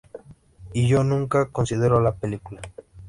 Y yo nunca consideró la película.